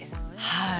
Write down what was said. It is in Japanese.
はい。